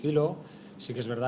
kita memiliki cara